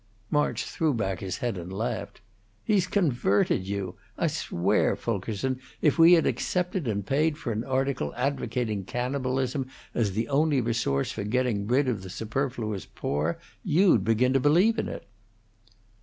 March threw back his head and laughed. "He's converted you! I swear, Fulkerson, if we had accepted and paid for an article advocating cannibalism as the only resource for getting rid of the superfluous poor, you'd begin to believe in it."